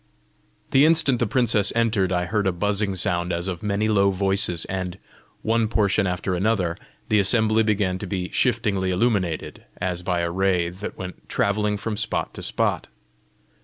The instant the princess entered, I heard a buzzing sound as of many low voices, and, one portion after another, the assembly began to be shiftingly illuminated, as by a ray that went travelling from spot to spot.